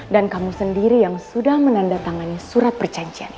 dan kamu sendiri yang sudah menandatangani surat perjanjian ini